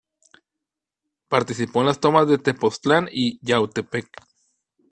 Participó en las tomas de Tepoztlán y Yautepec.